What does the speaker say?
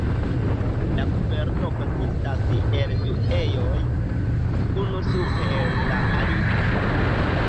La kaverno konsistas el du ejoj, unu super la alian.